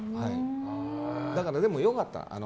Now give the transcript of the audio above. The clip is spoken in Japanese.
だから、でも良かった。